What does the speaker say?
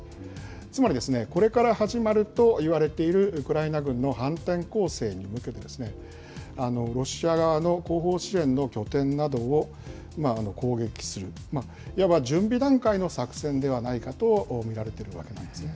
つまりこれから始まるといわれているウクライナ軍の反転攻勢に向けて、ロシア側の後方支援の拠点などを攻撃する、いわば準備段階の作戦ではないかと見られているわけなんですね。